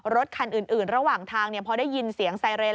รถคันอื่นระหว่างทางพอได้ยินเสียงไซเรน